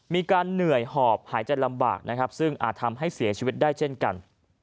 เหนื่อยหอบหายใจลำบากนะครับซึ่งอาจทำให้เสียชีวิตได้เช่นกัน